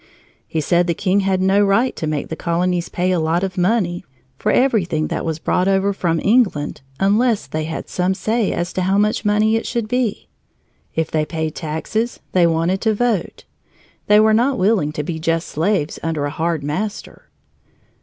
He said the king had no right to make the colonies pay a lot of money for everything that was brought over from England unless they had some say as to how much money it should be. If they paid taxes, they wanted to vote. They were not willing to be just slaves under a hard master.